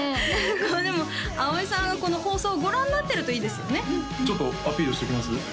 でも葵さんがこの放送をご覧になってるといいですよねちょっとアピールしときます？